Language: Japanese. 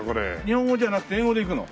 日本語じゃなくて英語でいくの？